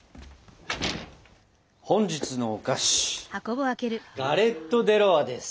本日のお菓子ガレット・デ・ロワです。